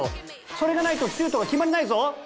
それがないとシュートが決まらないぞ。